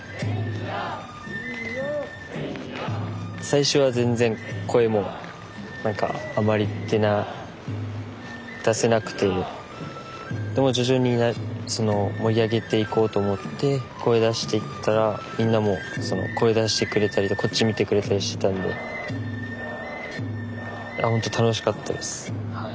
最初は全然声も何かあまり出な出せなくてでも徐々に盛り上げていこうと思って声出していったらみんなも声出してくれたりこっち見てくれたりしてたんでほんと楽しかったです。